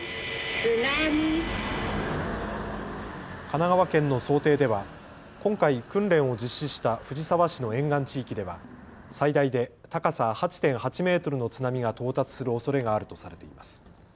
神奈川県の想定では今回、訓練を実施した藤沢市の沿岸地域では最大で高さ８．８メートルの津波が到達するおそれがあるとされています。